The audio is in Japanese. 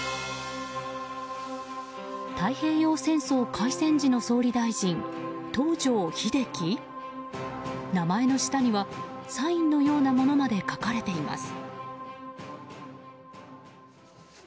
太平洋戦争開始時の総理大臣東條英機？名前の下にはサインのようなものまで書かれています。